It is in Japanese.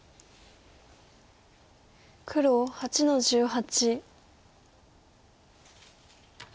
黒８の十八。